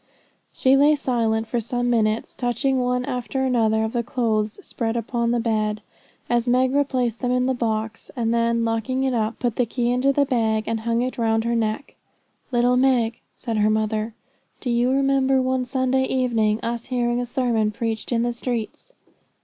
She lay silent for some minutes, touching one after another the clothes spread upon the bed as Meg replaced them in the box, and then, locking it, put the key into the bag, and hung it round her neck. 'Little Meg,' said her mother, 'do you remember one Sunday evening us hearing a sermon preached in the streets?'